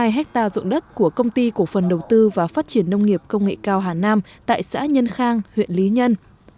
hai mươi hectare dụng đất của công ty cổ phần đầu tư và phát triển nông nghiệp công nghệ cao hà nam tại xã nhân khang huyện lý nhân